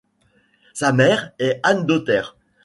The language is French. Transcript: Sa mère est Anne Dauter.